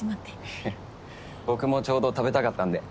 いえ僕もちょうど食べたかったんで。